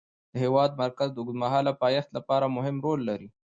د هېواد مرکز د اوږدمهاله پایښت لپاره مهم رول لري.